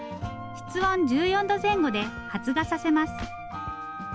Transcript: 室温１４度前後で発芽させます。